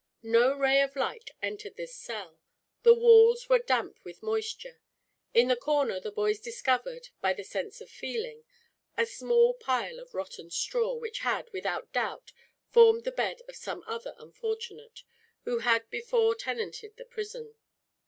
No ray of light entered this cell. The walls were damp with moisture. In the corner the boys discovered, by the sense of feeling, a small pile of rotten straw; which had, without doubt, formed the bed of some other unfortunate, who had before tenanted the prison.